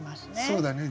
そうだね。